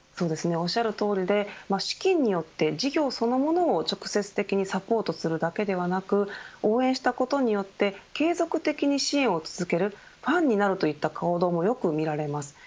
おっしゃるとおりで資金によって事業そのものを直接的にサポートするだけでなく応援したことによって継続的に支援を続けるファンになるといった行動もよく見られます。